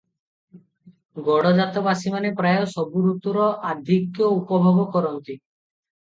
ଗଡଜାତବାସିମାନେ ପ୍ରାୟ ସବୁ ଋତୁର ଆଧିକ୍ୟ ଉପଭୋଗ କରନ୍ତି ।